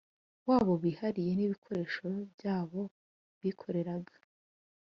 wabo bihariye n’ibikoresho byabo bikoreraga